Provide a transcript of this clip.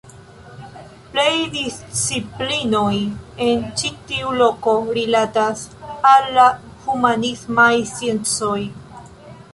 Plej disciplinoj en ĉi tiu loko rilatas al la humanismaj sciencoj.